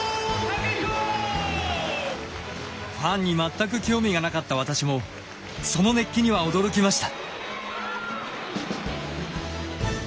ファンに全く興味がなかった私もその熱気には驚きました。